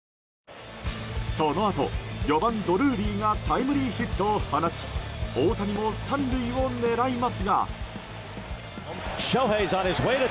そのあと４番、ドルーリーがタイムリーヒットを放ち大谷も３塁を狙いますが。